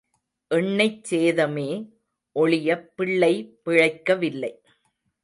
எண்ணெய்ச் சேதமே ஒழியப் பிள்ளை பிழைக்கவில்லை.